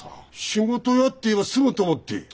仕事やって言えば済むと思って。